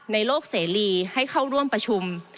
ในโลกเสรีให้เข้าร่วมประชุม